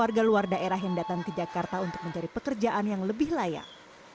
warga luar daerah yang datang ke jakarta untuk mencari pekerjaan yang lebih layak